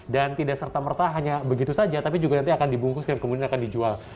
dan tidak serta merta hanya begitu saja tapi juga nanti akan dibungkus dan kemudian akan dijual